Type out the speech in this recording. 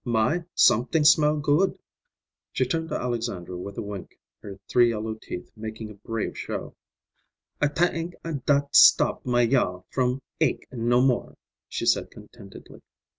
"My, somet'ing smell good!" She turned to Alexandra with a wink, her three yellow teeth making a brave show, "I ta ank dat stop my yaw from ache no more!" she said contentedly.